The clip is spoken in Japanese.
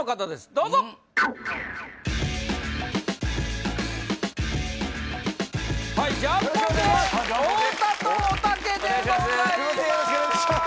どうぞはいジャンポケ太田とおたけでございますお願いします